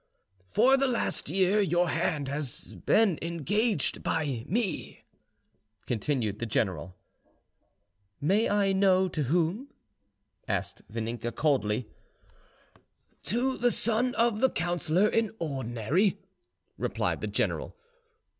"For the last year your hand has been engaged by me," continued the general. "May I know to whom?" asked Vaninka coldly. "To the son of the Councillor in Ordinary," replied the general.